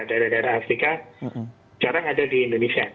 daerah daerah afrika jarang ada di indonesia